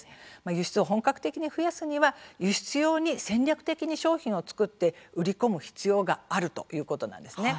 輸出を本格的に増やすには輸出用に戦略的に商品をつくって売り込む必要があるということなんですね。